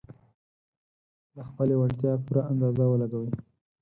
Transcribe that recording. د خپلې وړتيا پوره اندازه ولګوي.